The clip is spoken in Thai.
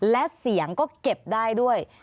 และเสียงก็เก็บได้ด้วย